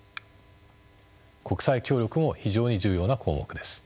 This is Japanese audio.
国際協力も非常に重要な項目です。